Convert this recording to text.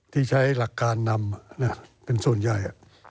ที่ใช้หลักการนำเป็นส่วนใหญ่